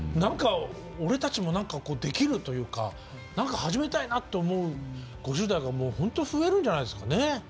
俺たちも何かできるというか何か始めたいなと思う５０代がほんと増えるんじゃないですかね。